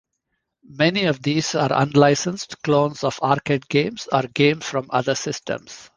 Many of these are unlicensed clones of arcade games or games from other systems.